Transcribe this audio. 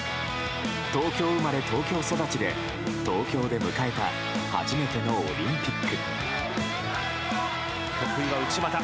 東京生まれ、東京育ちで東京で迎えた初めてのオリンピック。